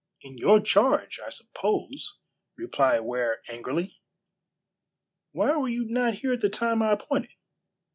"In your charge, I suppose," replied Ware angrily. "Why were you not here at the time I appointed?"